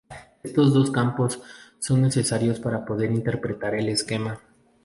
Estos dos campos son necesarios para poder interpretar el esquema.